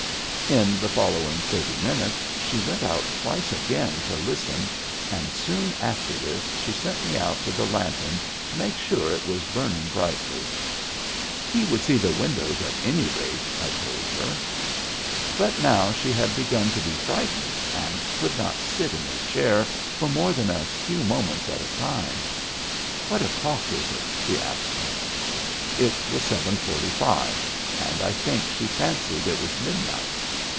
In the following thirty minutes she went out twice again to listen and soon after this she sent me out to the lantern to make sure it was burning brightly. " He would see the windows at any rate," I told her. But now she had begun to be frightened and could not sit in her chair for more than a few moments at a time. "What o'clock is it?" she asked me. It was seven forty five and I think she fancied it was midnight.